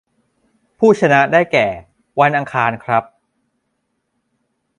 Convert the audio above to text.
ผู้ชนะได้แก่ วันอังคารครับ